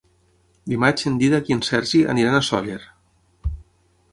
Dimarts en Dídac i en Sergi aniran a Sóller.